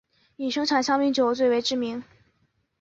以生产香槟酒最为知名。